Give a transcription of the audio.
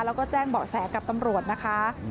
แล้วก็แจ้งเบาะแสกับตำรวจนะคะ